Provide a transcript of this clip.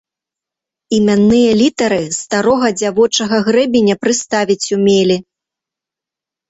Імянныя літары з старога дзявочага грэбеня прыставіць умелі.